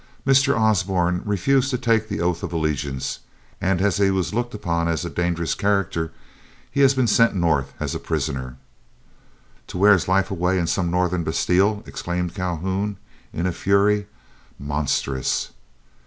Mr. Osborne refused to take the oath of allegiance, and as he was looked upon as a dangerous character, he has been sent North as a prisoner." "To wear his life away in some Northern bastile!" exclaimed Calhoun, in a fury. "Monstrous!"